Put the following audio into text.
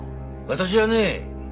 私はね